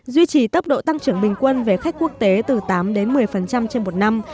duy trì tốc độ tăng trưởng bình quân về khách quốc tế từ tám đến một mươi trên một năm